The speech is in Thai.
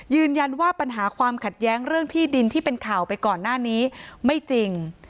ยืนยันว่าปัญหาความขัดแย้งเรื่องที่ดินที่เป็นข่าวไปก่อนหน้านี้ไม่จริง